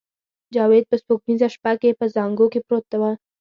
جاوید په سپوږمیزه شپه کې په زانګو کې پروت و